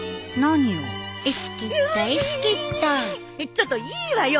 ちょっといいわよ！